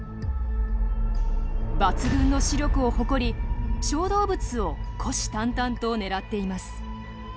抜群の視力を誇り小動物を虎視たんたんと狙っています。